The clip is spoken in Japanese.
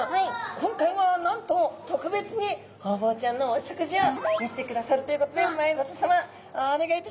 今回はなんと特別にホウボウちゃんのお食事を見せてくださるということで前里さまお願いいたします。